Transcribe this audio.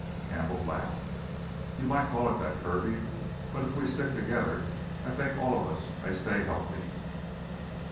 Campbell laughed. "You might call it that, Kirby. But if we stick together, I think all of us may stay healthy."